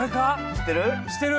知ってる！